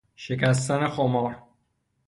شکستن خمار